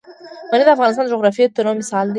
منی د افغانستان د جغرافیوي تنوع مثال دی.